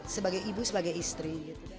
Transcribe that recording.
sebagai ibu sebagai istri